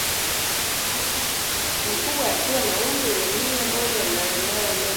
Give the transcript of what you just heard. mkubwa akiwa na umri wa mia moja na nane